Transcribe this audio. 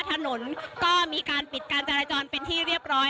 ถนนก็มีการปิดการจราจรเป็นที่เรียบร้อย